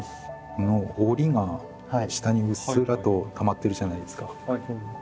このおりが下にうっすらとたまってるじゃないですか。